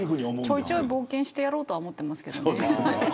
ちょいちょい冒険してやろうと思ってますけどね。